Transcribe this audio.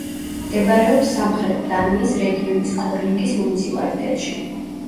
მდებარეობს სამხრეთ დანიის რეგიონის კოლინგის მუნიციპალიტეტში.